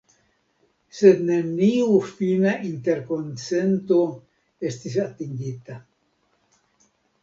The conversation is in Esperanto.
Sed neniu fina interkonsento estis atingita.